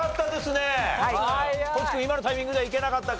地君今のタイミングではいけなかったか。